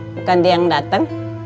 bukan dia yang datang